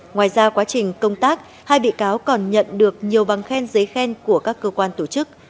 ngoài ra quá trình công tác hai bị cáo còn nhận được nhiều bằng khen giấy khen của các cơ quan tổ chức